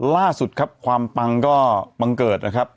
ล่าสุดครับความปังก็บังเกิดนะครับ